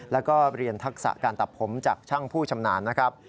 แล้วก็เรียนทักษะการตัดผมจากช่างผู้ชำนาญนะครับ